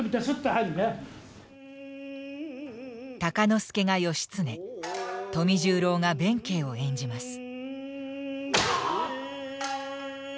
鷹之資が義経富十郎が弁慶を演じます。